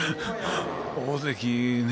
大関ね